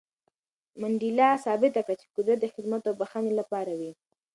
منډېلا ثابته کړه چې قدرت د خدمت او بښنې لپاره وي.